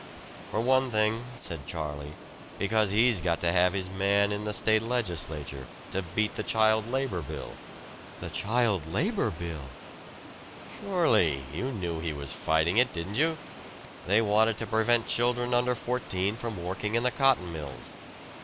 "For one thing," said Charlie, "because he's got to have his man in the State legislature, to beat the child labor bill." "The child labor bill!" "Surely. You knew he was fighting it, didn't you? They wanted to prevent children under fourteen from working in the cotton mills.